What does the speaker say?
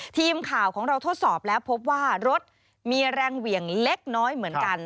ทีมข่าวของเราทดสอบแล้วพบว่ารถมีแรงเหวี่ยงเล็กน้อยเหมือนกัน